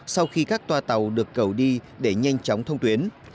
sau khi các toa tàu được cầu đi để nhanh chóng thông tuyến